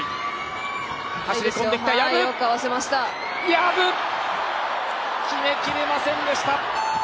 薮、決めきれませんでした。